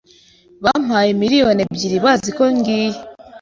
bampaye miriyoni ebyiri baziko ngiye